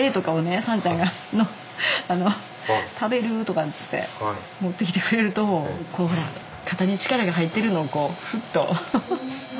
さんちゃんが「食べる？」とかっつって持ってきてくれると肩に力が入ってるのをこうふっと。